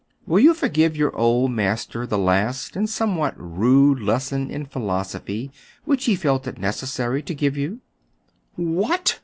"Will you forgive your old master the last and somewhat rude lesson in philosophy which he felt it necessary to give you t " "What!"